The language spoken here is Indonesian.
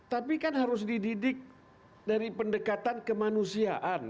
tapi kan harus dididik dari pendekatan kemanusiaan